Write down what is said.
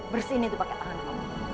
bersih ini tuh pakai tangan kamu